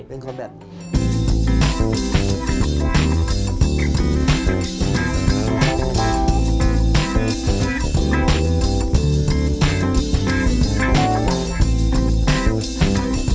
โปรดติดตามต่อไป